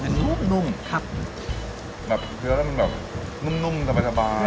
นุ่มนุ่มครับแบบเนื้อแล้วมันแบบนุ่มนุ่มสบายสบาย